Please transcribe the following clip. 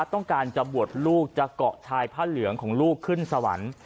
ต้องการจะบวชลูกจะเกาะชายผ้าเหลืองของลูกขึ้นสวรรค์